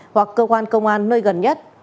hoặc cơ quan công an nơi gần nhất